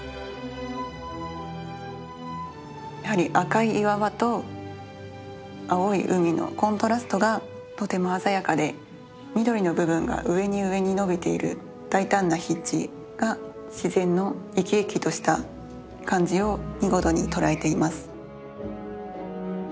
やはり赤い岩場と青い海のコントラストがとても鮮やかで緑の部分が上に上に伸びている大胆な筆致が自然の生き生きとした感じを見事に捉えています。